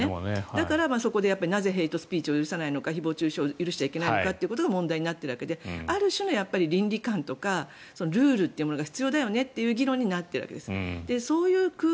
だから、そこでなぜヘイトスピーチを許しちゃいけないのか誹謗・中傷を許しちゃいけないのかというのが問題になっているわけである種の倫理観とかルールというものが必要だよねという議論になっているわけです。